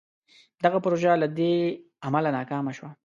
دغه پروژه له دې امله ناکامه شوه.